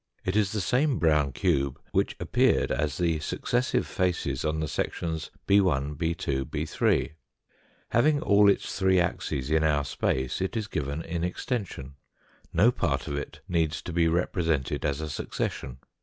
It is the same brown cube which appeared as the successive faces on the sections 6 lf 6 2 , 6 3 . Having all its three axes in our space, it is given in extension ; no part of it needs to be represented as a succession.